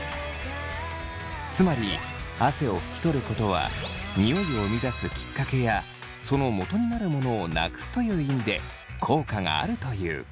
つまり汗を拭き取ることはニオイを生み出すきっかけやそのもとになるものをなくすという意味で効果があるという。